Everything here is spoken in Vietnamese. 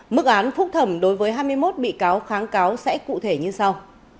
mức án phúc thẩm đối với hai mươi một bị cáo kháng cáo sẽ cụ thể như sau